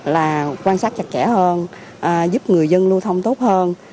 là quan sát chặt chẽ hơn giúp người dân lưu thông tốt hơn